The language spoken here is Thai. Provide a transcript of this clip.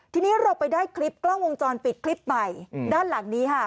ทีนี้เราไปได้คลิปกล้องวงจรปิดคลิปใหม่ด้านหลังนี้ค่ะ